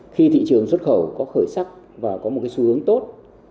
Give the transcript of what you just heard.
khi thị trường xuất khẩu có khởi sắc và có một xu hướng tốt